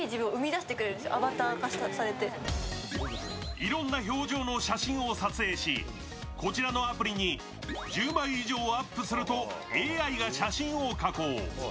いろんな表情の写真を撮影しこちらのアプリに１０枚以上アップすると、ＡＩが写真を加工。